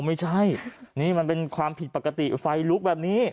ไม่ใช่นี่มันเป็นความผิดปกติไฟลุกแบบนี้